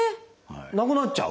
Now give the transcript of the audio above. なくなっちゃう？